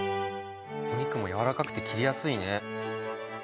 お肉もやわらかくて切りやすいね。